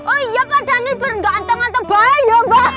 oh iya pak daniel berganteng ganteng bayang mbak